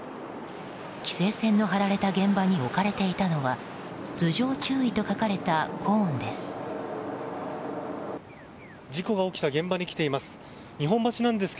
規制線の張られた現場に置かれていたのは頭上注意と書かれたコーンです。